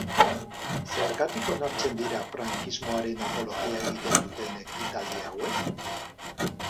Zergatik onartzen dira frankismoaren apologia egiten duten ekitaldi hauek?